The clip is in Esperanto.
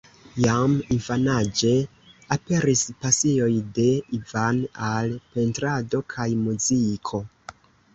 Jam infanaĝe aperis pasioj de Ivan al pentrado kaj muziko.